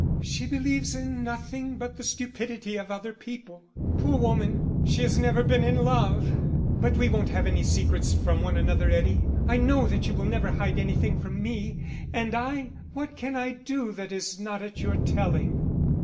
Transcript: "She believes in nothing but the stupidity of other people.... Poor woman, she has never been in love! But we won't have any secrets from one another, Eddie. I know that you will never hide anything from me, and I What can I do that is not at your telling?"